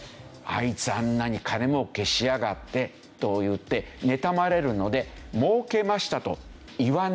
「あいつあんなに金儲けしやがって」といってねたまれるので「儲けました」と言わない。